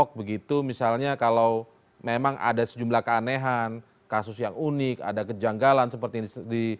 ahok begitu misalnya kalau memang ada sejumlah keanehan kasus yang unik ada kejanggalan seperti ini